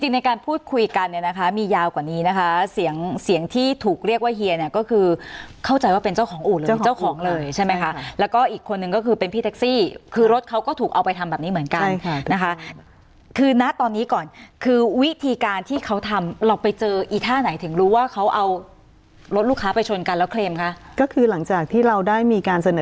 ในการพูดคุยกันเนี่ยนะคะมียาวกว่านี้นะคะเสียงเสียงที่ถูกเรียกว่าเฮียเนี่ยก็คือเข้าใจว่าเป็นเจ้าของอู่เลยเจ้าของเลยใช่ไหมคะแล้วก็อีกคนนึงก็คือเป็นพี่แท็กซี่คือรถเขาก็ถูกเอาไปทำแบบนี้เหมือนกันนะคะคือณตอนนี้ก่อนคือวิธีการที่เขาทำเราไปเจออีท่าไหนถึงรู้ว่าเขาเอารถลูกค้าไปชนกันแล้วเคลมคะก็คือหลังจากที่เราได้มีการเสนอ